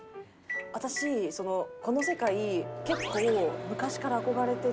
私この世界結構昔から憧れてて。